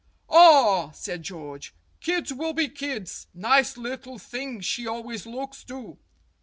"Ah !" said George, "kids will be kids. Nice little thing she always looks, too."